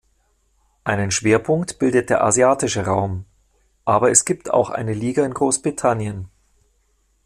Einen Schwerpunkt bildet der asiatische Raum, aber es gibt auch eine Liga in Großbritannien.